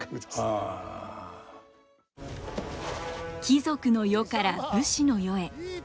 貴族の世から武士の世へ。